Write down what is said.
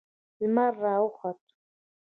لمر راوخوت